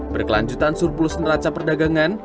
berkelanjutan surplus neraca perdagangan